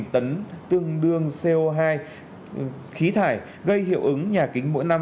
hai mươi tấn tương đương co hai khí thải gây hiệu ứng nhà kính mỗi năm